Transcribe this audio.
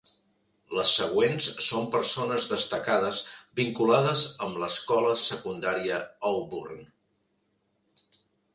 Les següents són persones destacades vinculades amb l'escola secundària Auburn.